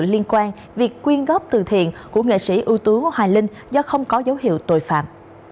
liên quan việc quyên góp từ thiện của nghệ sĩ ưu tú hoài linh do không có dấu hiệu tội phạm